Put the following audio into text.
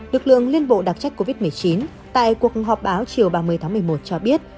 lực lượng liên bộ đặc trách covid một mươi chín tại cuộc họp báo chiều ba mươi tháng một mươi một cho biết